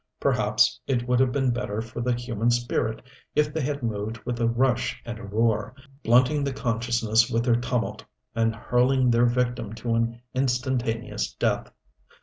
Perhaps it would have been better for the human spirit if they had moved with a rush and a roar, blunting the consciousness with their tumult, and hurling their victim to an instantaneous death.